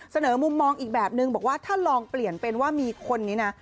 เสนอมุมมองอีกแบบนึงบอกว่าถ้าลองเปลี่ยนเป็นว่ามีคนนี้นะ